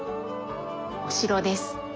お城です。